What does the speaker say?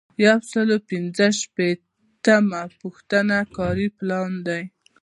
یو سل او پنځه شپیتمه پوښتنه کاري پلان دی.